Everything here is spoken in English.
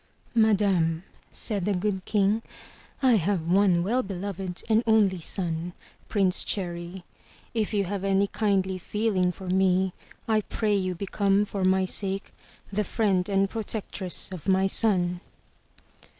* 'Madame/' said the Good King, I have one well beloved and only son. Prince Cherry. If you have any kindly feeling for me, I pray you become, for my sake, the friend and pro tectress of my son.